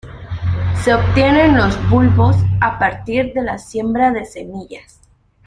Se obtienen los bulbos a partir de la siembra de semillas.